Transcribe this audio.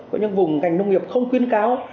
có những vùng ngành nông nghiệp không khuyên cáo